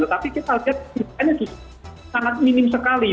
tetapi kita lihat tindakannya sangat minim sekali